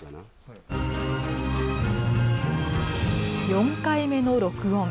４回目の録音。